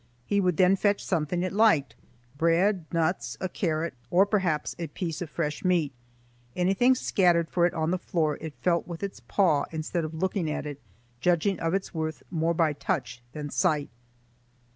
He would then fetch something it liked,—bread, nuts, a carrot, or perhaps a piece of fresh meat. Anything scattered for it on the floor it felt with its paw instead of looking at it, judging of its worth more by touch than sight.